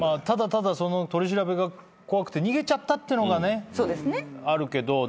ただただ取り調べが怖くて逃げちゃったってのがあるけど。